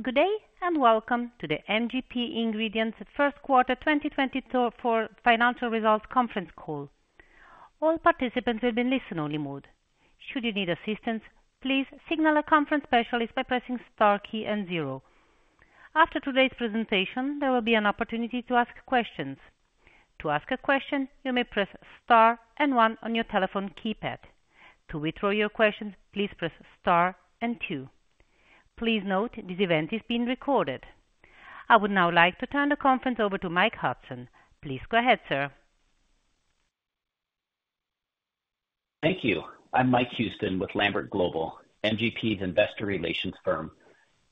Good day, and welcome to the MGP Ingredients First Quarter 2024 Financial Results Conference Call. All participants will be in listen-only mode. Should you need assistance, please signal a conference specialist by pressing star key and zero. After today's presentation, there will be an opportunity to ask questions. To ask a question, you may press Star and one on your telephone keypad. To withdraw your question, please press star and two. Please note, this event is being recorded. I would now like to turn the conference over to Mike Houston. Please go ahead, sir. Thank you. I'm Mike Houston with Lambert Global, MGP's investor relations firm,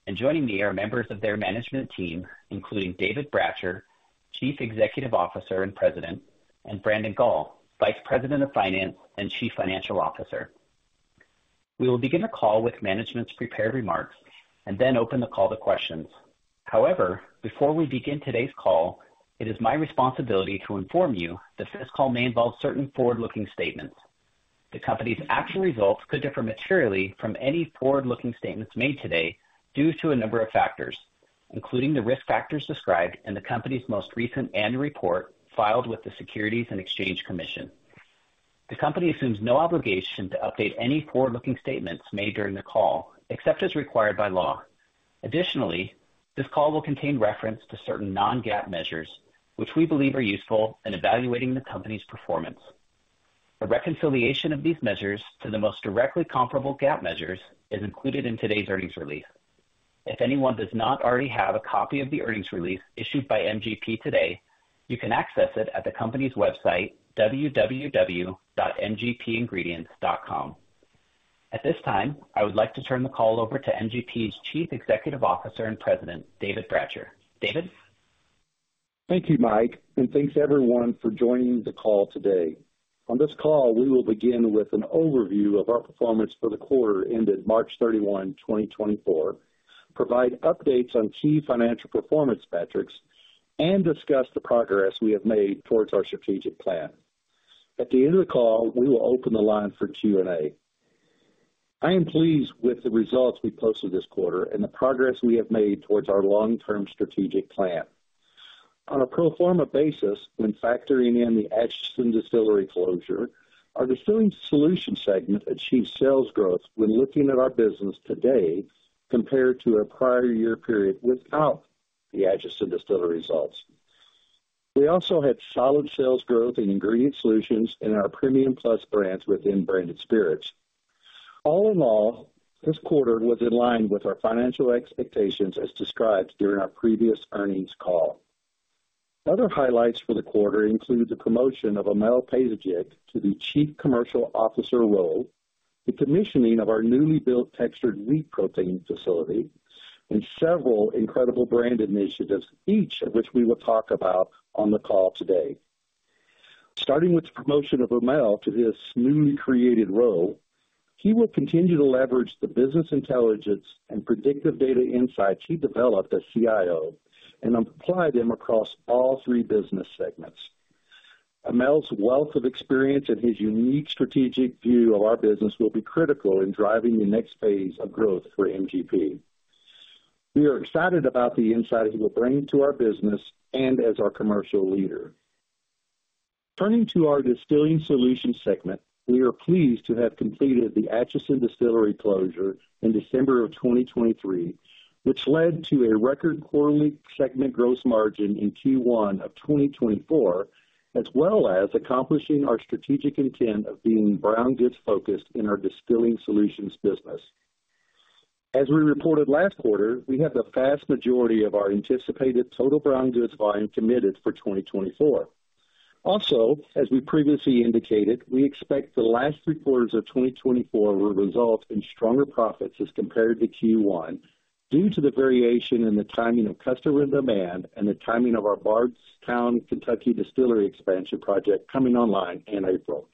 and joining me are members of their management team, including David Bratcher, Chief Executive Officer and President, and Brandon Gall, Vice President of Finance and Chief Financial Officer. We will begin the call with management's prepared remarks and then open the call to questions. However, before we begin today's call, it is my responsibility to inform you that this call may involve certain forward-looking statements. The company's actual results could differ materially from any forward-looking statements made today due to a number of factors, including the risk factors described in the company's most recent annual report filed with the Securities and Exchange Commission. The company assumes no obligation to update any forward-looking statements made during the call, except as required by law. Additionally, this call will contain reference to certain non-GAAP measures, which we believe are useful in evaluating the company's performance. A reconciliation of these measures to the most directly comparable GAAP measures is included in today's earnings release. If anyone does not already have a copy of the earnings release issued by MGP today, you can access it at the company's website, www.mgpingredients.com. At this time, I would like to turn the call over to MGP's Chief Executive Officer and President, David Bratcher. David? Thank you, Mike, and thanks, everyone, for joining the call today. On this call, we will begin with an overview of our performance for the quarter ended March 31, 2024, provide updates on key financial performance metrics, and discuss the progress we have made towards our strategic plan. At the end of the call, we will open the line for Q&A. I am pleased with the results we posted this quarter and the progress we have made towards our long-term strategic plan. On a pro forma basis, when factoring in the Atchison Distillery closure, our Distilling Solutions segment achieved sales growth when looking at our business today compared to our prior year period without the Atchison Distillery results. We also had solid sales growth in Ingredient Solutions in our Premium Plus brands within Branded Spirits. All in all, this quarter was in line with our financial expectations as described during our previous earnings call. Other highlights for the quarter include the promotion of Amel Pasalic to the Chief Commercial Officer role, the commissioning of our newly built textured wheat protein facility, and several incredible brand initiatives, each of which we will talk about on the call today. Starting with the promotion of Amel to this newly created role, he will continue to leverage the business intelligence and predictive data insights he developed as CIO and apply them across all three business segments. Amel's wealth of experience and his unique strategic view of our business will be critical in driving the next phase of growth for MGP. We are excited about the insights he will bring to our business and as our commercial leader. Turning to our Distilling Solutions segment, we are pleased to have completed the Atchison Distillery closure in December of 2023, which led to a record quarterly segment gross margin in Q1 of 2024, as well as accomplishing our strategic intent of being brown goods focused in our Distilling Solutions business. As we reported last quarter, we have the vast majority of our anticipated total brown goods volume committed for 2024. Also, as we previously indicated, we expect the last three quarters of 2024 will result in stronger profits as compared to Q1, due to the variation in the timing of customer demand and the timing of our Bardstown, Kentucky, distillery expansion project coming online in April.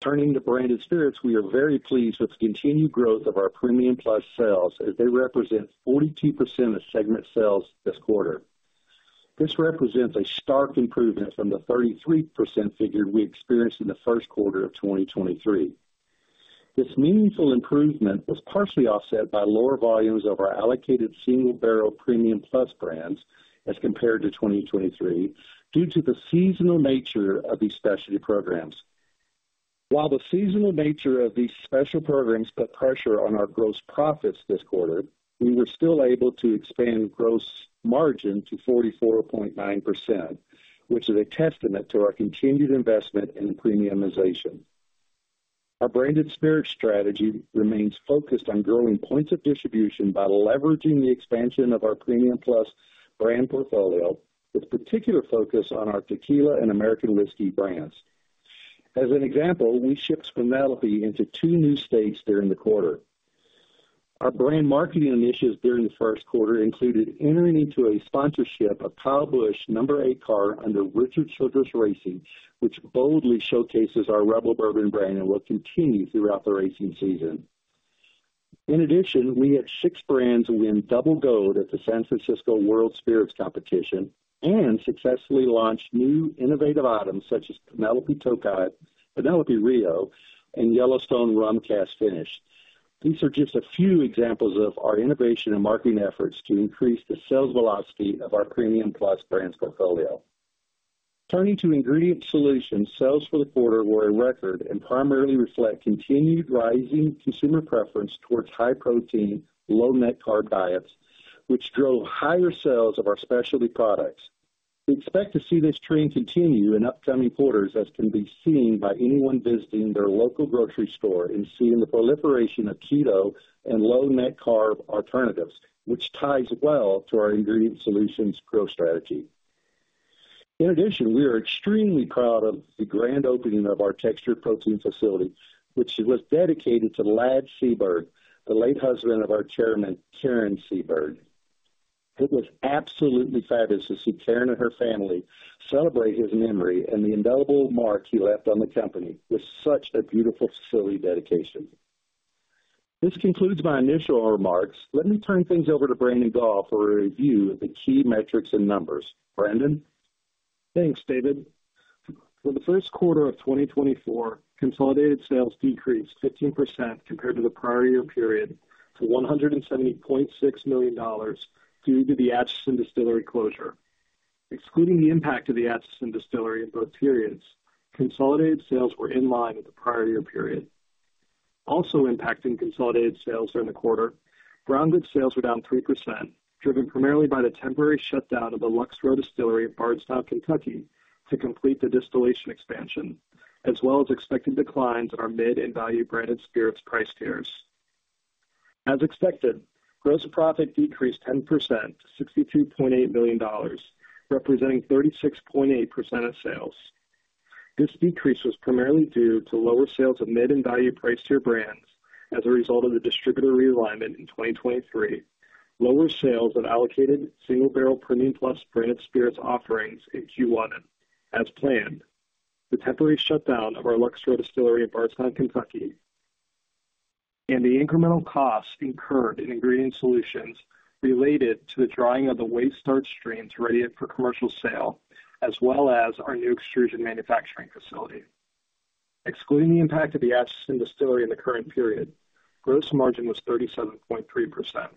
Turning to Branded Spirits, we are very pleased with the continued growth of our Premium Plus sales, as they represent 42% of segment sales this quarter. This represents a stark improvement from the 33% figure we experienced in the first quarter of 2023. This meaningful improvement was partially offset by lower volumes of our allocated single barrel Premium Plus brands as compared to 2023, due to the seasonal nature of these specialty programs. While the seasonal nature of these special programs put pressure on our gross profits this quarter, we were still able to expand gross margin to 44.9%, which is a testament to our continued investment in premiumization. Our branded spirit strategy remains focused on growing points of distribution by leveraging the expansion of our Premium Plus brand portfolio, with particular focus on our tequila and American whiskey brands. As an example, we shipped Penelope into two new states during the quarter. Our brand marketing initiatives during the first quarter included entering into a sponsorship of Kyle Busch Number 8 car under Richard Childress Racing, which boldly showcases our Rebel Bourbon brand and will continue throughout the racing season. In addition, we had six brands win double gold at the San Francisco World Spirits Competition and successfully launched new innovative items such as Penelope Tokaji, Penelope Rio, and Yellowstone Rum Cask Finish. These are just a few examples of our innovation and marketing efforts to increase the sales velocity of our Premium Plus brands portfolio. Turning to Ingredient Solutions, sales for the quarter were a record and primarily reflect continued rising consumer preference towards high protein, low net carb diets, which drove higher sales of our specialty products. We expect to see this trend continue in upcoming quarters, as can be seen by anyone visiting their local grocery store and seeing the proliferation of keto and low net carb alternatives, which ties well to our Ingredient Solutions growth strategy. In addition, we are extremely proud of the grand opening of our textured protein facility, which was dedicated to Ladd Seaberg, the late husband of our chairman, Karen Seaberg. It was absolutely fabulous to see Karen and her family celebrate his memory and the indelible mark he left on the company with such a beautiful facility dedication. This concludes my initial remarks. Let me turn things over to Brandon Gall for a review of the key metrics and numbers. Brandon? Thanks, David. For the first quarter of 2024, consolidated sales decreased 15% compared to the prior year period to $170.6 million due to the Atchison Distillery closure. Excluding the impact of the Atchison Distillery in both periods, consolidated sales were in line with the prior year period. Also impacting consolidated sales during the quarter, branded sales were down 3%, driven primarily by the temporary shutdown of the Lux Row Distillery in Bardstown, Kentucky, to complete the distillation expansion, as well as expected declines in our Mid and Value Branded Spirits price tiers. As expected, gross profit decreased 10% to $62.8 million, representing 36.8% of sales. This decrease was primarily due to lower sales of Mid and Value price tier brands as a result of the distributor realignment in 2023. Lower sales of allocated single barrel Premium Plus Branded Spirits offerings in Q1 as planned. The temporary shutdown of our Lux Row Distillery in Bardstown, Kentucky, and the incremental costs incurred in Ingredient Solutions related to the drying of the waste starch stream to ready it for commercial sale, as well as our new extrusion manufacturing facility. Excluding the impact of the Atchison Distillery in the current period, gross margin was 37.3%.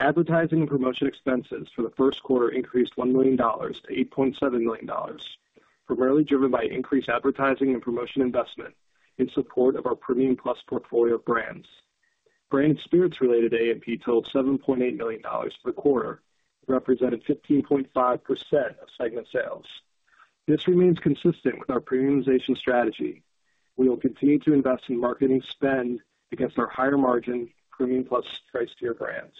Advertising and promotion expenses for the first quarter increased $1 million-$8.7 million, primarily driven by increased advertising and promotion investment in support of our Premium Plus portfolio of brands. Branded Spirits-related A&P totaled $7.8 million for the quarter, representing 15.5% of segment sales. This remains consistent with our premiumization strategy. We will continue to invest in marketing spend against our higher margin Premium Plus price tier brands.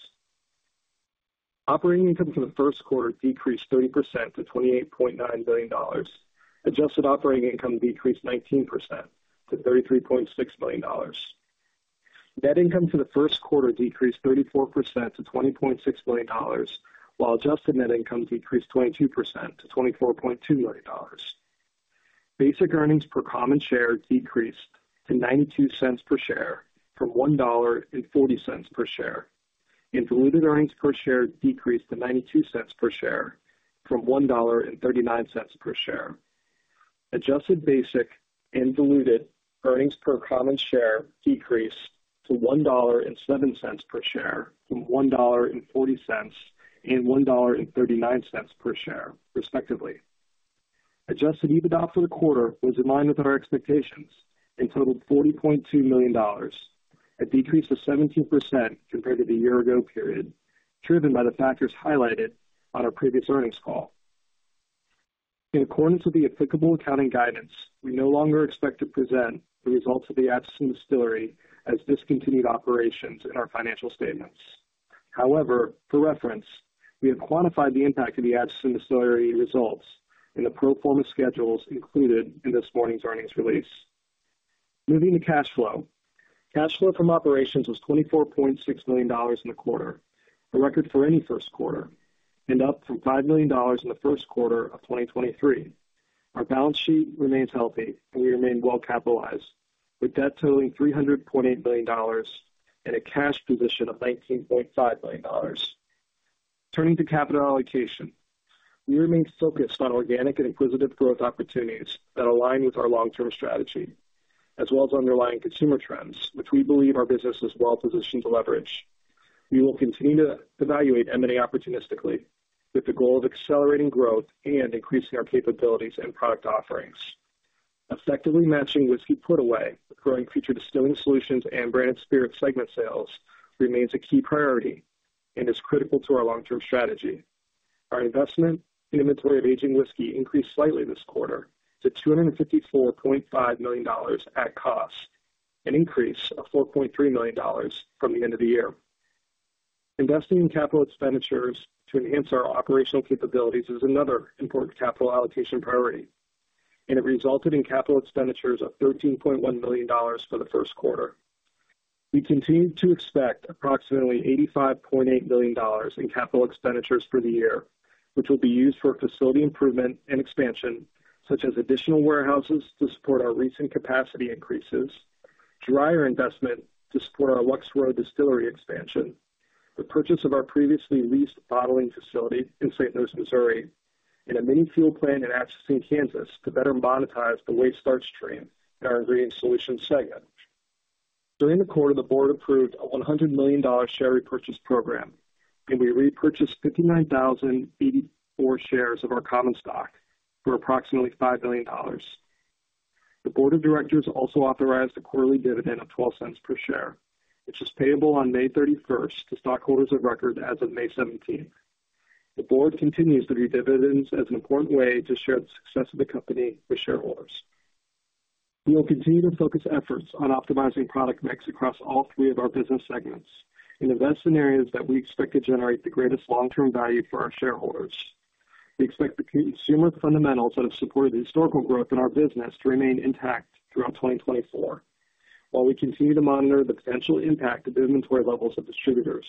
Operating income for the first quarter decreased 30% to $28.9 million. Adjusted operating income decreased 19% to $33.6 million. Net income for the first quarter decreased 34% to $20.6 million, while adjusted net income decreased 22% to $24.2 million. Basic earnings per common share decreased to $0.92 per share from $1.40 per share, and diluted earnings per share decreased to $0.92 per share from $1.39 per share. Adjusted basic and diluted earnings per common share decreased to $1.07 per share from $1.40 and $1.39 per share, respectively. Adjusted EBITDA for the quarter was in line with our expectations and totaled $40.2 million, a decrease of 17% compared to the year ago period, driven by the factors highlighted on our previous earnings call. In accordance with the applicable accounting guidance, we no longer expect to present the results of the Atchison Distillery as discontinued operations in our financial statements. However, for reference, we have quantified the impact of the Atchison Distillery results in the pro forma schedules included in this morning's earnings release. Moving to cash flow. Cash flow from operations was $24.6 million in the quarter, a record for any first quarter, and up from $5 million in the first quarter of 2023. Our balance sheet remains healthy, and we remain well capitalized, with debt totaling $328 million and a cash position of $19.5 million. Turning to capital allocation. We remain focused on organic and inorganic growth opportunities that align with our long-term strategy, as well as underlying consumer trends, which we believe our business is well positioned to leverage. We will continue to evaluate M&A opportunistically with the goal of accelerating growth and increasing our capabilities and product offerings. Effectively managing whiskey put away, growing future Distilling Solutions and branded spirit segment sales remains a key priority and is critical to our long-term strategy. Our investment in inventory of aging whiskey increased slightly this quarter to $254.5 million at cost, an increase of $4.3 million from the end of the year. Investing in capital expenditures to enhance our operational capabilities is another important capital allocation priority, and it resulted in capital expenditures of $13.1 million for the first quarter. We continue to expect approximately $85.8 million in capital expenditures for the year, which will be used for facility improvement and expansion, such as additional warehouses to support our recent capacity increases, dryer investment to support our Lux Row Distillers expansion, the purchase of our previously leased bottling facility in St. Louis, Missouri, and a mini fuel plant in Atchison, Kansas, to better monetize the waste starch stream in our Ingredient Solutions segment. During the quarter, the board approved a $100 million share repurchase program, and we repurchased 59,084 shares of our common stock for approximately $5 million. The board of directors also authorized a quarterly dividend of $0.12 per share, which is payable on May 31st to stockholders of record as of May 17th. The board continues to view dividends as an important way to share the success of the company with shareholders. We will continue to focus efforts on optimizing product mix across all three of our business segments and invest in areas that we expect to generate the greatest long-term value for our shareholders. We expect the consumer fundamentals that have supported the historical growth in our business to remain intact throughout 2024, while we continue to monitor the potential impact of inventory levels of distributors,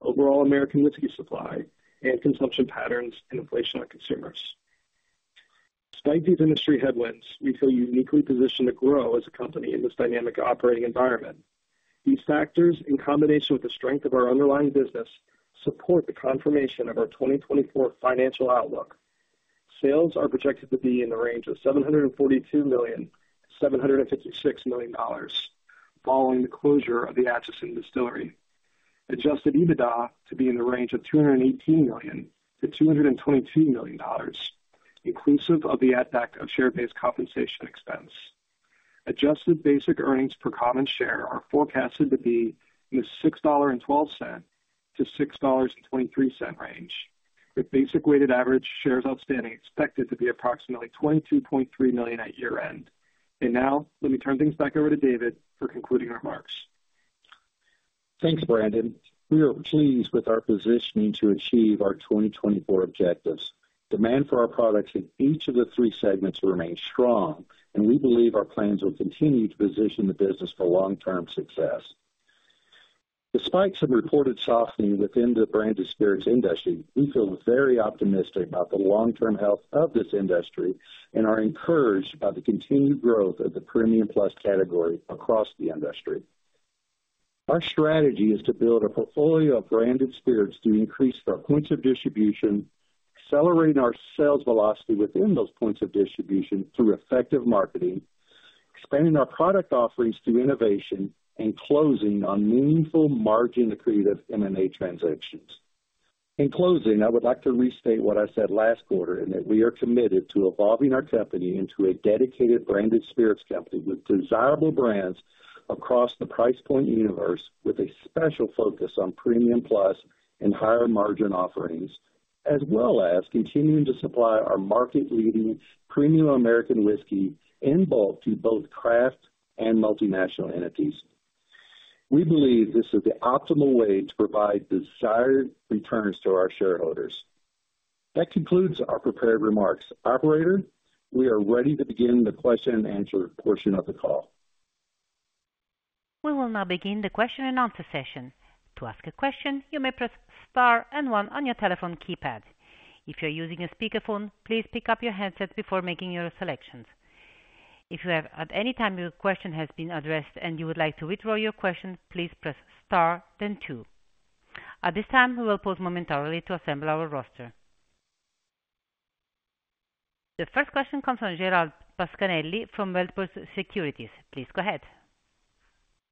overall American whiskey supply and consumption patterns and inflation on consumers. Despite these industry headwinds, we feel uniquely positioned to grow as a company in this dynamic operating environment. These factors, in combination with the strength of our underlying business, support the confirmation of our 2024 financial outlook. Sales are projected to be in the range of $742 million-$756 million, following the closure of the Atchison Distillery. Adjusted EBITDA to be in the range of $218 million-$222 million, inclusive of the impact of share-based compensation expense. Adjusted basic earnings per common share are forecasted to be in the $6.12-$6.23 range, with basic weighted average shares outstanding expected to be approximately 22.3 million at year-end. Now let me turn things back over to David for concluding remarks. Thanks, Brandon. We are pleased with our positioning to achieve our 2024 objectives. Demand for our products in each of the three segments remains strong, and we believe our plans will continue to position the business for long-term success. Despite some reported softening within the Branded Spirits industry, we feel very optimistic about the long-term health of this industry and are encouraged by the continued growth of the Premium Plus category across the industry. Our strategy is to build a portfolio of Branded Spirits through increased our points of distribution, accelerating our sales velocity within those points of distribution through effective marketing, expanding our product offerings through innovation, and closing on meaningful margin-accretive M&A transactions. In closing, I would like to restate what I said last quarter, and that we are committed to evolving our company into a dedicated Branded Spirits company with desirable brands across the price point universe, with a special focus on Premium Plus and higher margin offerings, as well as continuing to supply our market-leading premium American whiskey in bulk to both craft and multinational entities. We believe this is the optimal way to provide desired returns to our shareholders. That concludes our prepared remarks. Operator, we are ready to begin the question and answer portion of the call. We will now begin the question-and-answer session. To ask a question, you may press star and One on your telephone keypad. If you're using a speakerphone, please pick up your handset before making your selections. If you have, at any time, your question has been addressed and you would like to withdraw your question, please press star, then Two. At this time, we will pause momentarily to assemble our roster. The first question comes from Gerald Pascarelli from Wedbush Securities. Please go ahead.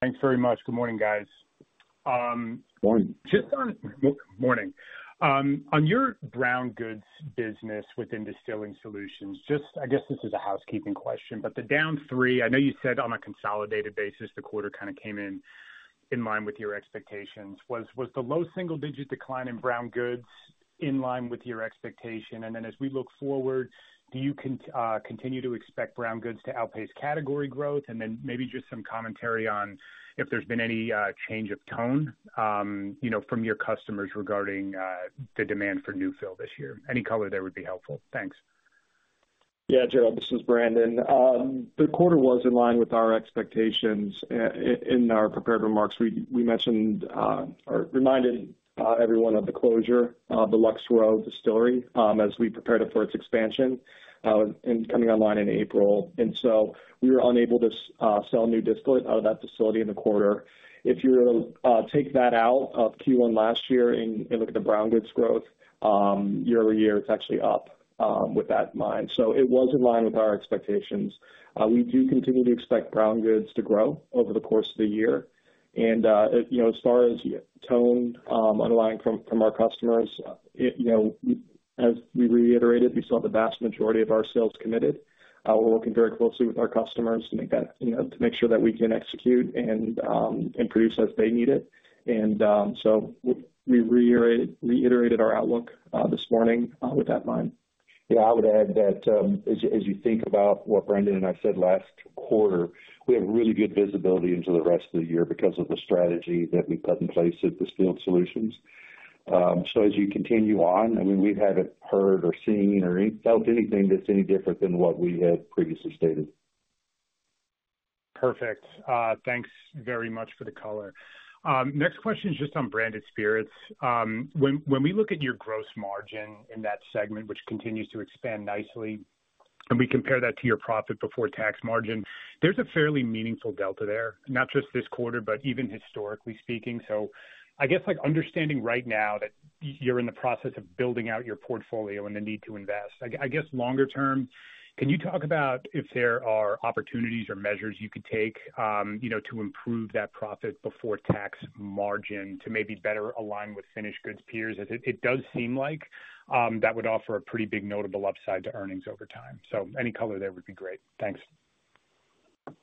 Thanks very much. Good morning, guys. Morning. Good morning. On your brown goods business within Distilling Solutions, just I guess this is a housekeeping question, but the down three, I know you said on a consolidated basis, the quarter kind of came in in line with your expectations. Was the low single-digit decline in brown goods in line with your expectation? And then as we look forward, do you continue to expect brown goods to outpace category growth? And then maybe just some commentary on if there's been any change of tone, you know, from your customers regarding the demand for new fill this year. Any color there would be helpful. Thanks. Yeah, Gerald, this is Brandon. The quarter was in line with our expectations. In our prepared remarks, we mentioned or reminded everyone of the closure of the Lux Row Distillery as we prepared it for its expansion and coming online in April. And so we were unable to sell new distillate out of that facility in the quarter. If you take that out of Q1 last year and look at the brown goods growth year-over-year, it's actually up with that in mind. So it was in line with our expectations. We do continue to expect brown goods to grow over the course of the year. And you know, as far as tone underlying from our customers, you know, as we reiterated, we saw the vast majority of our sales committed. We're working very closely with our customers to make that, you know, to make sure that we can execute and, and produce as they need it. And, so we reiterated our outlook, this morning, with that in mind. Yeah, I would add that, as you think about what Brandon and I said last quarter, we have really good visibility into the rest of the year because of the strategy that we put in place at Distilling Solutions. So as you continue on, I mean, we haven't heard or seen or felt anything that's any different than what we had previously stated. Perfect. Thanks very much for the color. Next question is just on Branded Spirits. When we look at your gross margin in that segment, which continues to expand nicely, and we compare that to your profit before tax margin, there's a fairly meaningful delta there, not just this quarter, but even historically speaking. So I guess, like, understanding right now that you're in the process of building out your portfolio and the need to invest. I guess, longer term, can you talk about if there are opportunities or measures you could take, you know, to improve that profit before tax margin, to maybe better align with finished goods peers? It does seem like that would offer a pretty big notable upside to earnings over time. So any color there would be great. Thanks.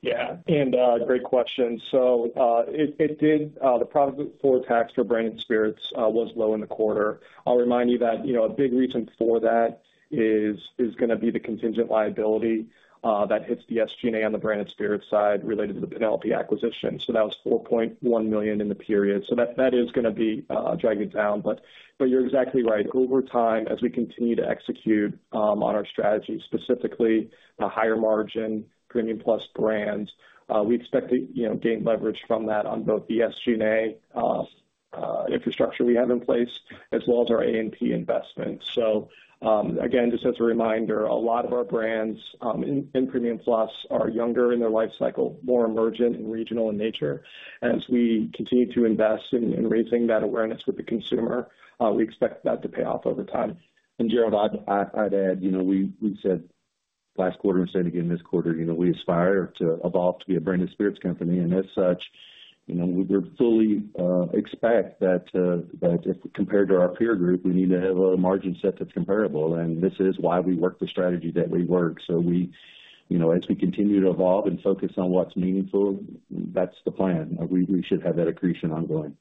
Yeah, and, great question. So, it did, the profit before tax for Branded spirits, was low in the quarter. I'll remind you that, you know, a big reason for that is gonna be the contingent liability, that hits the SG&A on the branded Spirits side related to the Penelope acquisition. So that was $4.1 million in the period. So that is gonna be, dragging it down. But you're exactly right. Over time, as we continue to execute, on our strategy, specifically the higher margin Premium Plus brands, we expect to, you know, gain leverage from that on both the SG&A, infrastructure we have in place, as well as our A&P investments. Again, just as a reminder, a lot of our brands in Premium Plus are younger in their life cycle, more emergent and regional in nature. As we continue to invest in raising that awareness with the consumer, we expect that to pay off over time. And Gerald, I'd add, you know, we said last quarter, and we said again this quarter, you know, we aspire to evolve to be a Branded Spirits company. And as such, you know, we fully expect that compared to our peer group, we need to have a margin set that's comparable. And this is why we work the strategy that we work. So we, you know, as we continue to evolve and focus on what's meaningful, that's the plan. We should have that accretion ongoing.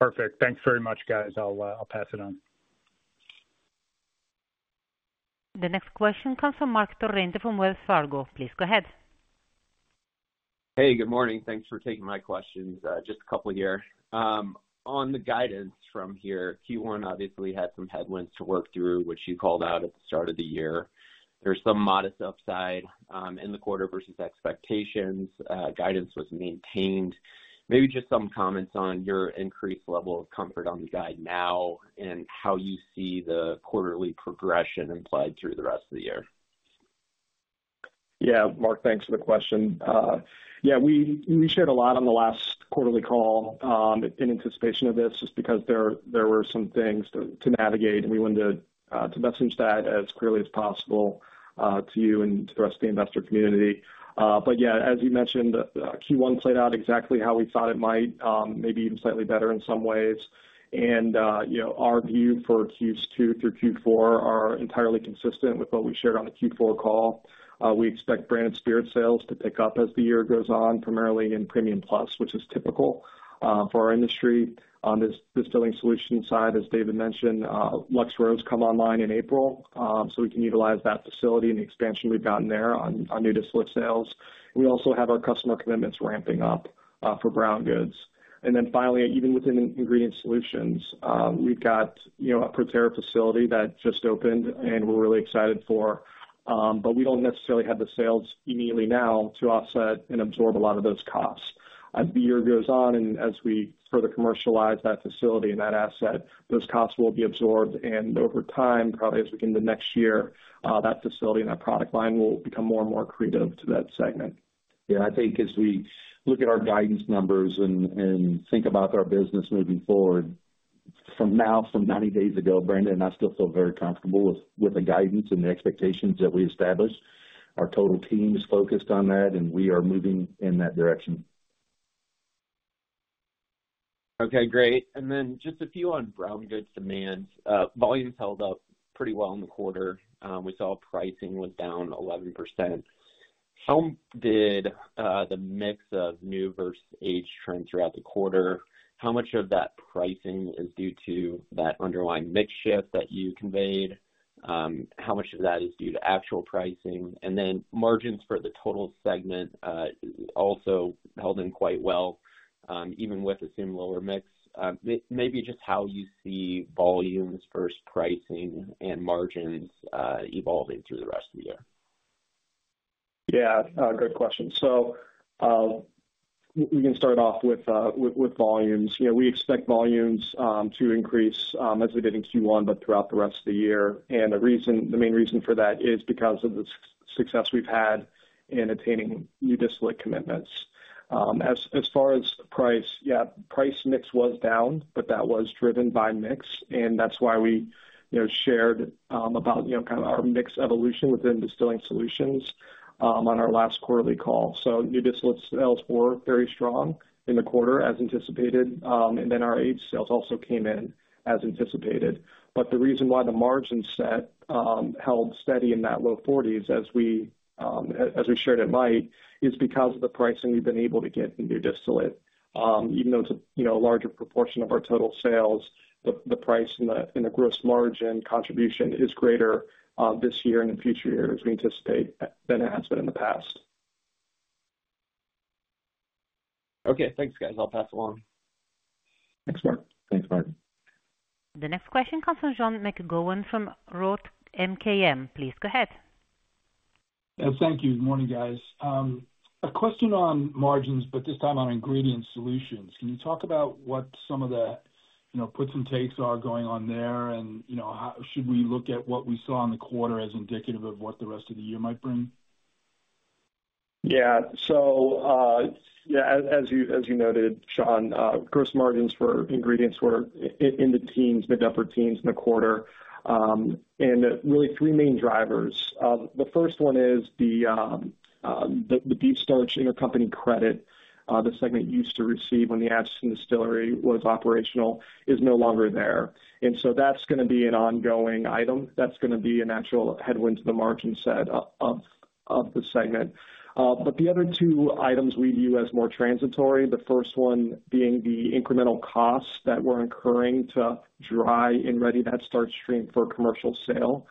Perfect. Thanks very much, guys. I'll pass it on. The next question comes from Marc Torrente from Wells Fargo. Please go ahead. Hey, good morning. Thanks for taking my questions, just a couple here. On the guidance from here, Q1 obviously had some headwinds to work through, which you called out at the start of the year. There's some modest upside in the quarter versus expectations. Guidance was maintained. Maybe just some comments on your increased level of comfort on the guide now and how you see the quarterly progression implied through the rest of the year. Yeah, Mark, thanks for the question. Yeah, we shared a lot on the last quarterly call in anticipation of this, just because there were some things to navigate, and we wanted to message that as clearly as possible to you and to the rest of the investor community. But yeah, as you mentioned, Q1 played out exactly how we thought it might, maybe even slightly better in some ways. And you know, our view for Q2 through Q4 are entirely consistent with what we shared on the Q4 call. We expect branded spirit sales to pick up as the year goes on, primarily in Premium Plus, which is typical for our industry. On the Distilling Solutions side, as David mentioned, Lux Row has come online in April, so we can utilize that facility and the expansion we've gotten there on new distillate sales. We also have our customer commitments ramping up for brown goods. And then finally, even within Ingredient Solutions, we've got, you know, a ProTerra facility that just opened and we're really excited for, but we don't necessarily have the sales immediately now to offset and absorb a lot of those costs. As the year goes on and as we further commercialize that facility and that asset, those costs will be absorbed, and over time, probably as we get into next year, that facility and that product line will become more and more accretive to that segment. Yeah, I think as we look at our guidance numbers and think about our business moving forward, from now, from 90 days ago, Brandon and I still feel very comfortable with the guidance and the expectations that we established. Our total team is focused on that, and we are moving in that direction. Okay, great. And then just a few on brown goods demand. Volumes held up pretty well in the quarter. We saw pricing was down 11%. How did the mix of new versus aged trends throughout the quarter? How much of that pricing is due to that underlying mix shift that you conveyed? How much of that is due to actual pricing? And then margins for the total segment also held in quite well, even with the same lower mix. Maybe just how you see volumes versus pricing and margins evolving through the rest of the year. Yeah, great question. So, we can start off with volumes. You know, we expect volumes to increase, as we did in Q1, but throughout the rest of the year. And the reason, the main reason for that is because of the success we've had in attaining new distillate commitments. As far as price, yeah, price mix was down, but that was driven by mix, and that's why we, you know, shared about, you know, kind of our mix evolution within Distilling Solutions, on our last quarterly call. So new distillate sales were very strong in the quarter, as anticipated, and then our aged sales also came in as anticipated. But the reason why the margins held steady in that low 40s as we as we shared it might, is because of the pricing we've been able to get in new distillate. Even though it's a, you know, a larger proportion of our total sales, the, the price and the, and the gross margin contribution is greater, this year and in future years, we anticipate, than it has been in the past. Okay, thanks, guys. I'll pass it along. Thanks, Mark. Thanks, Mark. The next question comes from Sean McGowan from Roth MKM. Please go ahead. ... Yeah, thank you. Morning, guys. A question on margins, but this time on ingredient solutions. Can you talk about what some of the, you know, puts and takes are going on there? And, you know, should we look at what we saw in the quarter as indicative of what the rest of the year might bring? Yeah. So, as you noted, Sean, gross margins for ingredients were in the teens, mid-upper teens in the quarter. And really three main drivers. The first one is the B starch intercompany credit the segment used to receive when the Atchison Distillery was operational, is no longer there. And so that's gonna be an ongoing item. That's gonna be a natural headwind to the margin set of the segment. But the other two items we view as more transitory, the first one being the incremental costs that we're incurring to dry and ready that starch stream for commercial sale.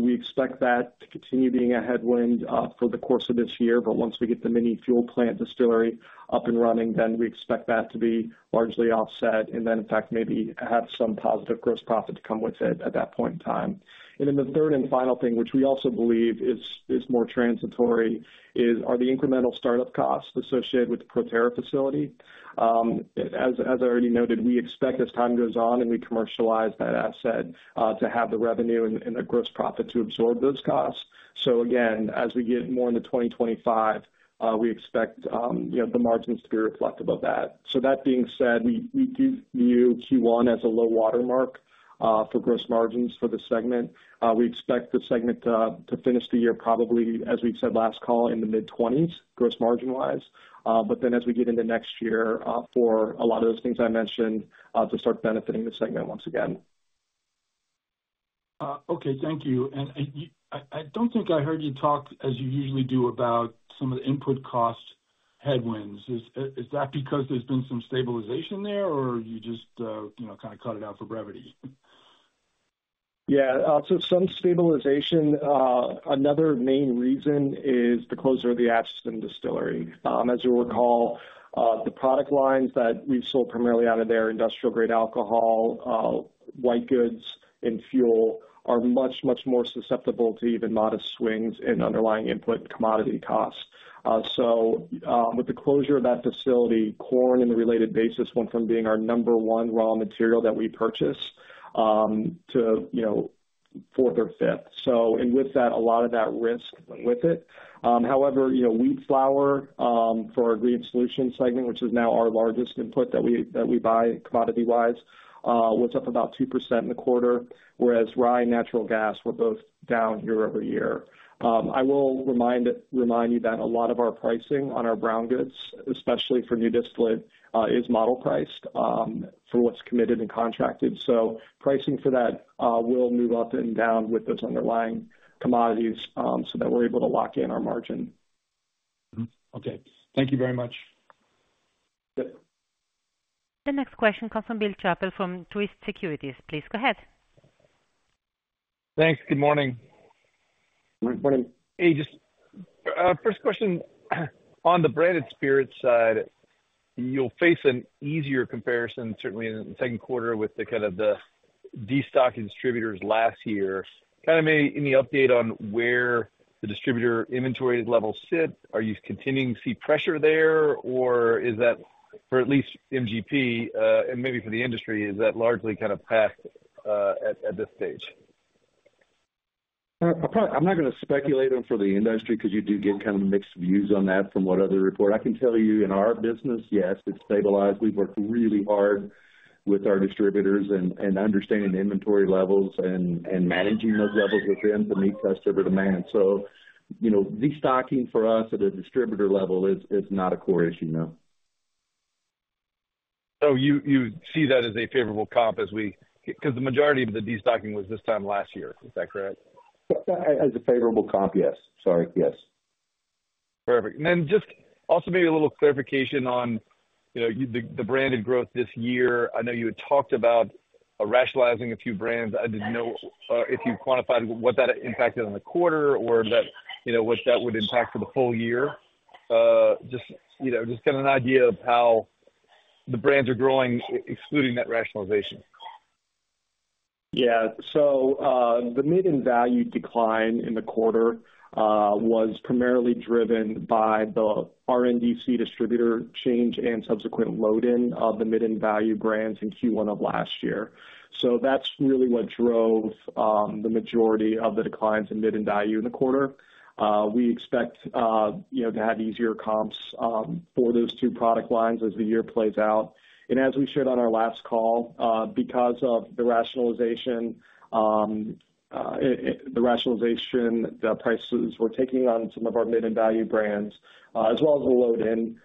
We expect that to continue being a headwind for the course of this year, but once we get the mini fuel plant distillery up and running, then we expect that to be largely offset, and then, in fact, maybe have some positive gross profit to come with it at that point in time. And then the third and final thing, which we also believe is more transitory, are the incremental startup costs associated with the ProTerra facility. As I already noted, we expect as time goes on and we commercialize that asset to have the revenue and the gross profit to absorb those costs. So again, as we get more into 2025, we expect, you know, the margins to be reflective of that. So that being said, we do view Q1 as a low watermark for gross margins for the segment. We expect the segment to finish the year, probably, as we said last call, in the mid-twenties, gross margin-wise. But then as we get into next year, for a lot of those things I mentioned, to start benefiting the segment once again. Okay, thank you. And you, I don't think I heard you talk, as you usually do, about some of the input cost headwinds. Is that because there's been some stabilization there, or you just, you know, kind of cut it out for brevity? Yeah, so some stabilization. Another main reason is the closure of the Atchison Distillery. As you'll recall, the product lines that we've sold primarily out of there, industrial-grade alcohol, white goods and fuel, are much, much more susceptible to even modest swings in underlying input commodity costs. So, with the closure of that facility, corn and the related basis went from being our number one raw material that we purchase, to, you know, fourth or fifth. And with that, a lot of that risk went with it. However, you know, wheat flour, for our Ingredient Solutions segment, which is now our largest input that we buy commodity-wise, was up about 2% in the quarter, whereas rye and natural gas were both down year-over-year. I will remind you that a lot of our pricing on our brown goods, especially for new distillate, is model priced, for what's committed and contracted. So pricing for that, will move up and down with those underlying commodities, so that we're able to lock in our margin. Mm-hmm. Okay. Thank you very much. Yep. The next question comes from Bill Chappell, from Truist Securities. Please go ahead. Thanks. Good morning. Good morning. Hey, just, first question, on the Branded Spirits side, you'll face an easier comparison, certainly in the second quarter, with the kind of destocking distributors last year. Kind of any update on where the distributor inventory levels sit? Are you continuing to see pressure there, or is that for at least MGP, and maybe for the industry, is that largely kind of past, at this stage? I'm not gonna speculate on for the industry, 'cause you do get kind of mixed views on that from what other report. I can tell you, in our business, yes, it's stabilized. We've worked really hard with our distributors and understanding inventory levels and managing those levels with them to meet customer demand. So, you know, destocking for us at a distributor level is not a core issue, no. So you see that as a favorable comp as we... 'Cause the majority of the destocking was this time last year. Is that correct? As a favorable comp, yes. Sorry. Yes. Perfect. And then, just also maybe a little clarification on, you know, the branded growth this year. I know you had talked about rationalizing a few brands. I didn't know if you quantified what that impacted on the quarter or that, you know, what that would impact for the full year. Just, you know, just get an idea of how the brands are growing, excluding that rationalization. Yeah. So, the mid-end value decline in the quarter was primarily driven by the RNDC distributor change and subsequent load-in of the mid-end value brands in Q1 of last year. So that's really what drove the majority of the declines in mid-end value in the quarter. We expect, you know, to have easier comps for those two product lines as the year plays out. And as we shared on our last call, because of the rationalization, the rationalization, the prices we're taking on some of our mid-end value brands, as well as the load-in,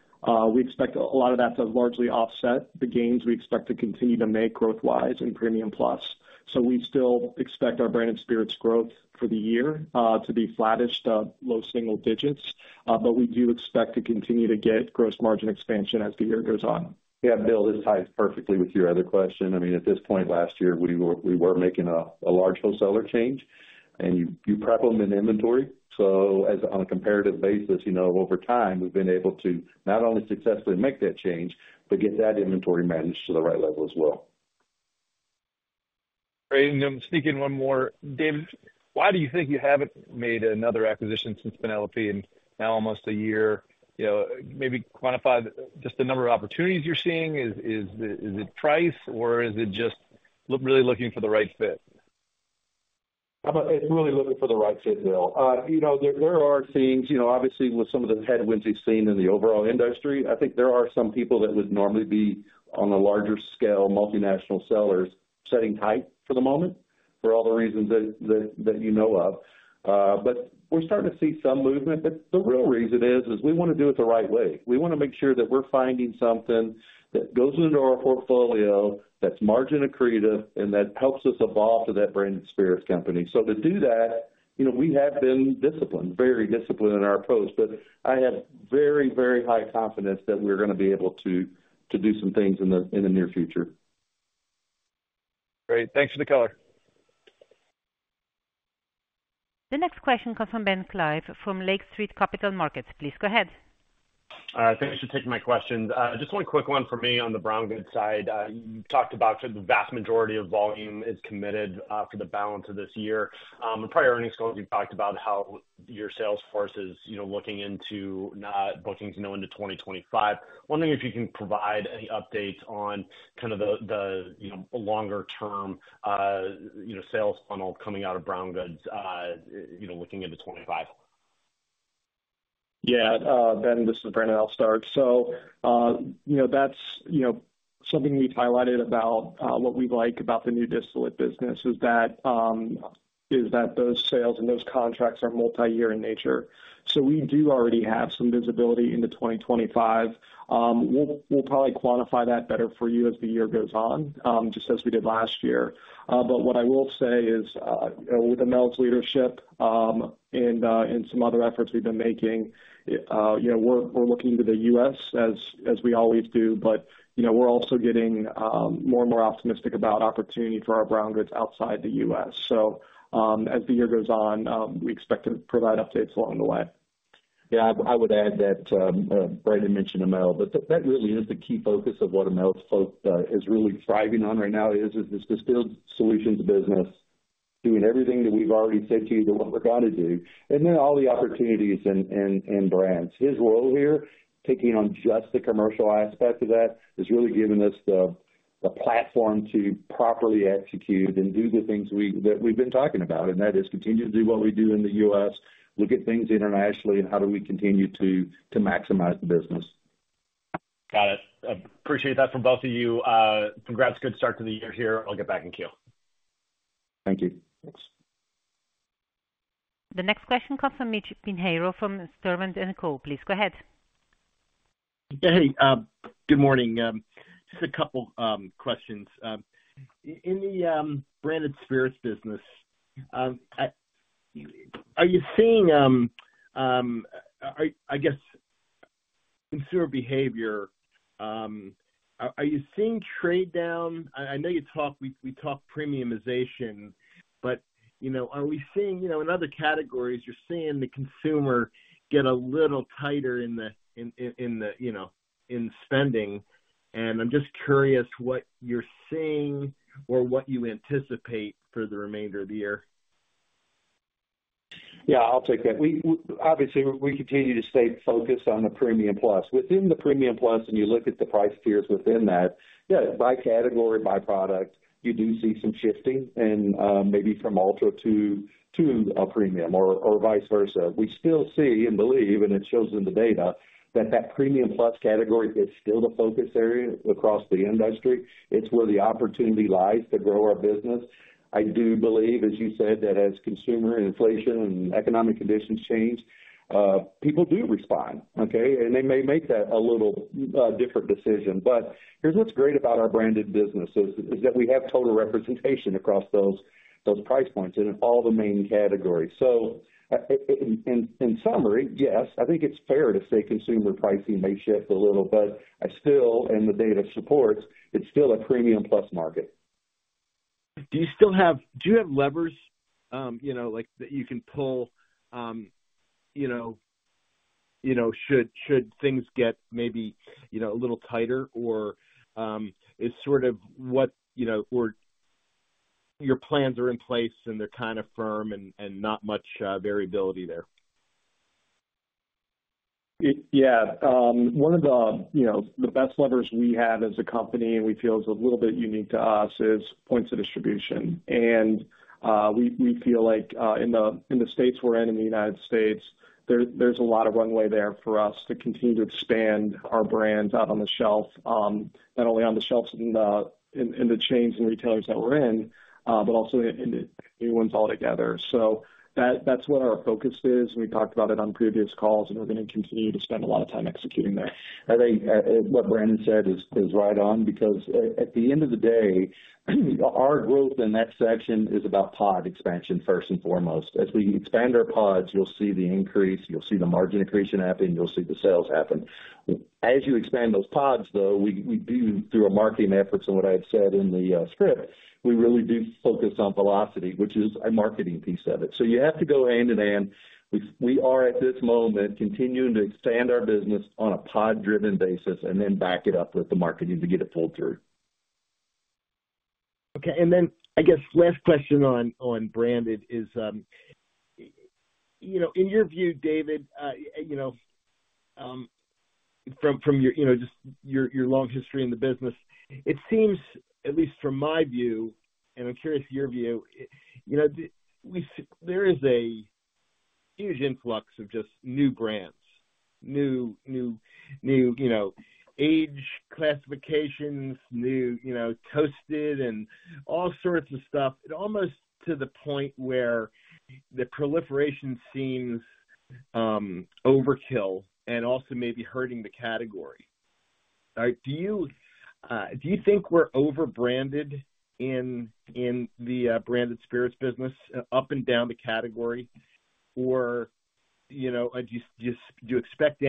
we expect a lot of that to largely offset the gains we expect to continue to make growth-wise in Premium Plus. So we still expect our brand and spirits growth for the year to be flattish to low single digits. But we do expect to continue to get gross margin expansion as the year goes on. Yeah, Bill, this ties perfectly with your other question. I mean, at this point last year, we were making a large wholesaler change, and you prep them in inventory. So as on a comparative basis, you know, over time, we've been able to not only successfully make that change, but get that inventory managed to the right level as well.... Great, and then sneak in one more. David, why do you think you haven't made another acquisition since Penelope in now almost a year? You know, maybe quantify just the number of opportunities you're seeing. Is it price or is it just really looking for the right fit? It's really looking for the right fit, Bill. You know, there are things, you know, obviously, with some of the headwinds you've seen in the overall industry, I think there are some people that would normally be on the larger scale, multinational sellers, sitting tight for the moment, for all the reasons that you know of. But we're starting to see some movement. But the real reason is we wanna do it the right way. We wanna make sure that we're finding something that goes into our portfolio, that's margin accretive, and that helps us evolve to that brand spirits company. So to do that, you know, we have been disciplined, very disciplined in our approach, but I have very, very high confidence that we're gonna be able to do some things in the near future. Great, thanks for the color. The next question comes from Ben Klieve, from Lake Street Capital Markets. Please go ahead. Thanks for taking my questions. Just one quick one for me on the brown goods side. You talked about the vast majority of volume is committed for the balance of this year. In prior earnings calls, you've talked about how your sales force is, you know, looking into not booking to know into 2025. Wondering if you can provide any updates on kind of the, the, you know, longer term, you know, sales funnel coming out of brown goods, you know, looking into 2025? Yeah. Ben, this is Brandon, I'll start. So, you know, that's, you know, something we've highlighted about, what we like about the new distillate business is that those sales and those contracts are multiyear in nature. So we do already have some visibility into 2025. We'll probably quantify that better for you as the year goes on, just as we did last year. But what I will say is, with Mel's leadership, and some other efforts we've been making, you know, we're looking to the US as we always do, but, you know, we're also getting more and more optimistic about opportunity for our brown goods outside the US. So, as the year goes on, we expect to provide updates along the way. Yeah, I would add that, Brandon mentioned Mel, but that really is the key focus of what Mel's folks is really thriving on right now, is this Distilling Solutions business, doing everything that we've already said to you that what we're gonna do, and then all the opportunities in brands. His role here, taking on just the commercial aspect of that, has really given us the platform to properly execute and do the things that we've been talking about, and that is continue to do what we do in the U.S., look at things internationally and how do we continue to maximize the business. Got it. I appreciate that from both of you. Congrats, good start to the year here. I'll get back in queue. Thank you. Thanks. The next question comes from Mitch Pinheiro, from Stifel. Please go ahead. Hey, good morning. Just a couple questions. In the Branded Spirits business, are you seeing—I guess—consumer behavior? Are you seeing trade down? I know you talked—we talked premiumization, but, you know, are we seeing—you know—in other categories, you're seeing the consumer get a little tighter in the spending, and I'm just curious what you're seeing or what you anticipate for the remainder of the year. Yeah, I'll take that. We obviously continue to stay focused on the Premium Plus. Within the Premium Plus, and you look at the price tiers within that, yeah, by category, by product, you do see some shifting and, maybe from ultra to, to a premium or, or vice versa. We still see and believe, and it shows in the data, that that Premium Plus category is still the focus area across the industry. It's where the opportunity lies to grow our business. I do believe, as you said, that as consumer inflation and economic conditions change, people do respond, okay? And they may make that a little, different decision. But here's what's great about our branded businesses, is that we have total representation across those, those price points in all the main categories. So, in summary, yes, I think it's fair to say consumer pricing may shift a little, but I still, and the data supports, it's still a Premium Plus market. Do you have levers, you know, like, that you can pull, you know, you know, should things get maybe, you know, a little tighter? Or, is sort of what, you know, or your plans are in place and they're kind of firm and not much variability there? Yeah, one of the, you know, the best levers we have as a company, and we feel is a little bit unique to us, is points of distribution. We feel like in the states we're in, in the United States, there's a lot of runway there for us to continue to expand our brands out on the shelf, not only on the shelves in the chains and retailers that we're in, but also in the new ones altogether. So that's what our focus is. We talked about it on previous calls, and we're gonna continue to spend a lot of time executing that. I think what Brandon said is right on, because at the end of the day, our growth in that section is about POD expansion, first and foremost. As we expand our PODs, you'll see the increase, you'll see the margin accretion happen, you'll see the sales happen. As you expand those PODs, though, we do, through our marketing efforts and what I had said in the script, we really do focus on velocity, which is a marketing piece of it. So you have to go hand in hand. We are, at this moment, continuing to expand our business on a POD-driven basis, and then back it up with the marketing to get it pulled through. ... Okay, and then I guess last question on branded is, you know, in your view, David, you know, from your long history in the business, it seems, at least from my view, and I'm curious your view, you know, there is a huge influx of just new brands, new, new, new, you know, age classifications, new, you know, toasted and all sorts of stuff. Almost to the point where the proliferation seems overkill and also maybe hurting the category. All right, do you think we're over-branded in the Branded Spirits business, up and down the category? Or, you know, do you expect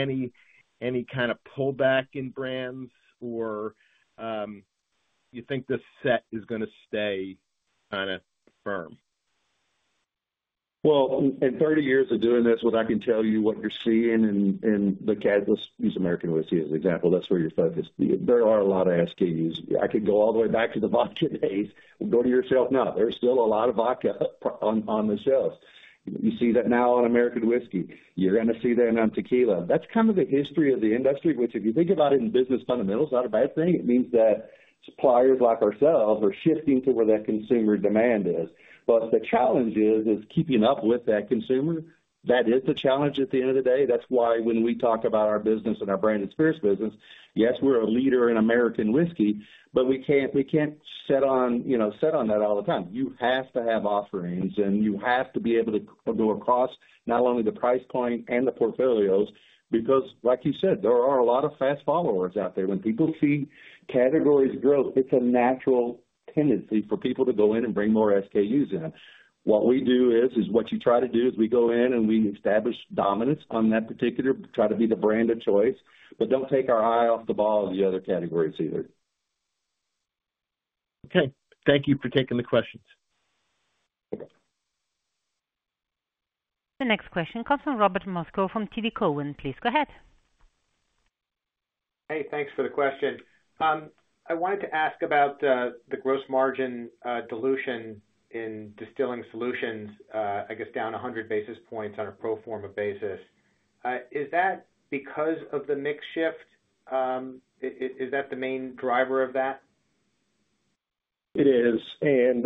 any kind of pullback in brands or you think the set is gonna stay kinda firm? Well, in 30 years of doing this, what I can tell you, what you're seeing in the catalyst, use American whiskey as an example, that's where you're focused. There are a lot of SKUs. I could go all the way back to the vodka days and go to tequila now. There's still a lot of vodka on the shelves. You see that now on American whiskey. You're gonna see that on tequila. That's kind of the history of the industry, which, if you think about it in business fundamentals, not a bad thing. It means that suppliers like ourselves are shifting to where that consumer demand is. But the challenge is keeping up with that consumer. That is the challenge at the end of the day. That's why when we talk about our business and our Branded Spirits business, yes, we're a leader in American Whiskey, but we can't, we can't sit on, you know, sit on that all the time. You have to have offerings, and you have to be able to go across not only the price point and the portfolios, because like you said, there are a lot of fast followers out there. When people see categories growth, it's a natural tendency for people to go in and bring more SKUs in. What we do is, is what you try to do is we go in and we establish dominance on that particular, try to be the brand of choice, but don't take our eye off the ball of the other categories either. Okay. Thank you for taking the questions. You bet. The next question comes from Robert Moskow from TD Cowen. Please go ahead. Hey, thanks for the question. I wanted to ask about the gross margin dilution in Distilling Solutions, I guess, down 100 basis points on a pro forma basis. Is that because of the mix shift? Is that the main driver of that? It is. And,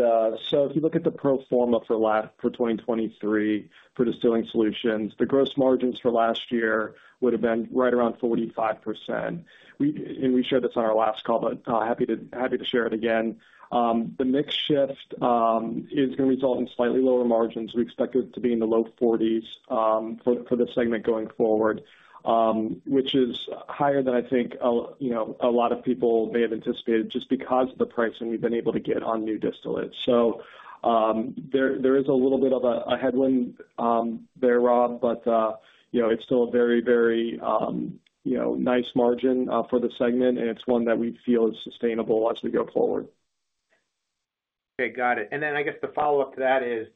so if you look at the pro forma for 2023, for Distilling Solutions, the gross margins for last year would have been right around 45%. And we shared this on our last call, but happy to, happy to share it again. The mix shift is gonna result in slightly lower margins. We expect it to be in the low 40s for this segment going forward, which is higher than I think you know a lot of people may have anticipated just because of the pricing we've been able to get on new distillate. So, there is a little bit of a headwind there, Rob, but you know, it's still a very, very you know, nice margin for the segment, and it's one that we feel is sustainable as we go forward. Okay, got it. And then I guess the follow-up to that is,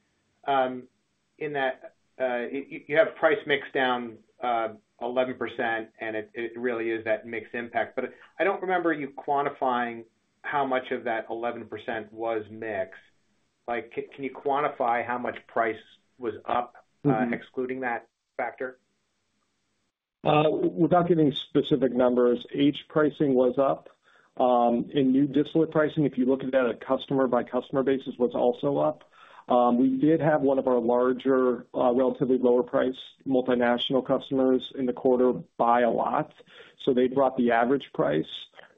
in that, you have price mix down, 11%, and it really is that mix impact. But I don't remember you quantifying how much of that 11% was mix. Like, can you quantify how much price was up- Mm-hmm.... excluding that factor? Without giving specific numbers, each pricing was up. In new distillate pricing, if you look at it at a customer-by-customer basis, was also up. We did have one of our larger, relatively lower-priced multinational customers in the quarter buy a lot, so they brought the average price,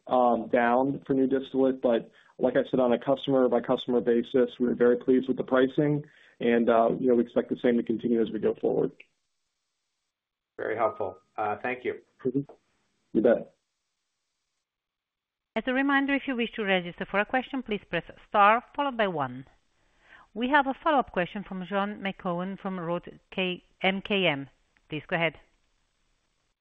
down for new distillate. But like I said, on a customer-by-customer basis, we're very pleased with the pricing and, you know, we expect the same to continue as we go forward. Very helpful. Thank you. Mm-hmm. You bet. As a reminder, if you wish to register for a question, please press star followed by one. We have a follow-up question from Sean McGowan from Roth MKM. Please go ahead.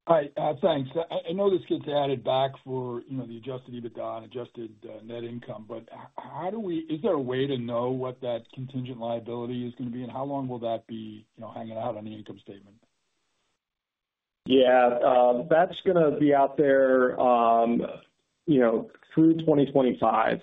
Hi, thanks. I know this gets added back for, you know, the adjusted EBITDA and adjusted net income, but how do we... Is there a way to know what that contingent liability is gonna be, and how long will that be, you know, hanging out on the income statement? Yeah, that's gonna be out there, you know, through 2025.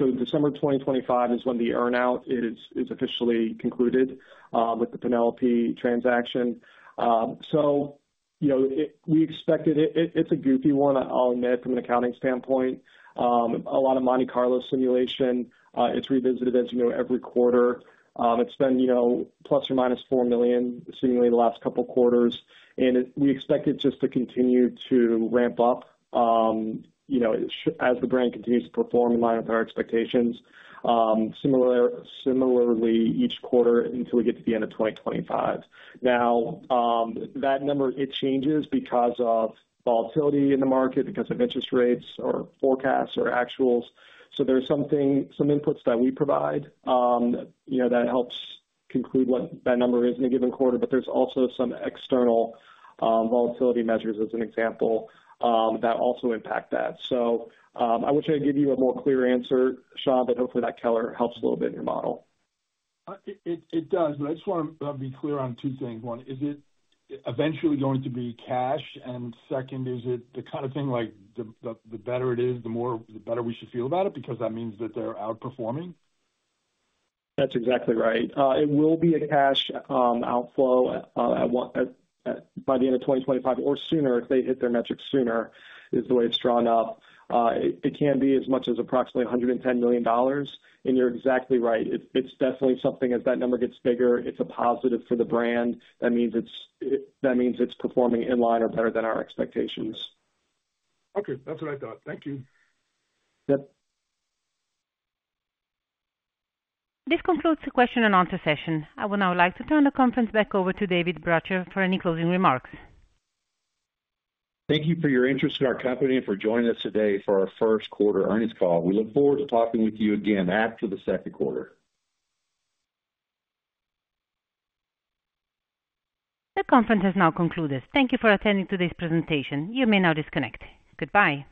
So December 2025 is when the earn out is officially concluded with the Penelope transaction. So you know, we expect it. It's a goofy one, I'll admit, from an accounting standpoint. A lot of Monte Carlo simulation, it's revisited, as you know, every quarter. It's been, you know, ±$4 million, seemingly the last couple of quarters, and we expect it just to continue to ramp up, you know, as the brand continues to perform in line with our expectations, similarly each quarter until we get to the end of 2025. Now, that number, it changes because of volatility in the market, because of interest rates or forecasts or actuals. So there's something, some inputs that we provide, you know, that helps conclude what that number is in a given quarter, but there's also some external volatility measures, as an example, that also impact that. So, I wish I could give you a more clear answer, Sean, but hopefully that helps a little bit in your model. It does, but I just wanna be clear on two things. One, is it eventually going to be cash? And second, is it the kind of thing, like, the better it is, the more the better we should feel about it, because that means that they're outperforming? That's exactly right. It will be a cash outflow by the end of 2025 or sooner, if they hit their metrics sooner, is the way it's drawn up. It can be as much as approximately $110 million. And you're exactly right. It's definitely something, as that number gets bigger, it's a positive for the brand. That means it's performing in line or better than our expectations. Okay, that's what I thought. Thank you. Yep. This concludes the question and answer session. I would now like to turn the conference back over to David Bratcher for any closing remarks. Thank you for your interest in our company and for joining us today for our first quarter earnings call. We look forward to talking with you again after the second quarter. The conference has now concluded. Thank you for attending today's presentation. You may now disconnect. Goodbye.